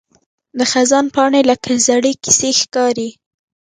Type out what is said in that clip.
د خزان پاڼې لکه زړې کیسې ښکاري